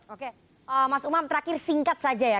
oke mas umam terakhir singkat saja ya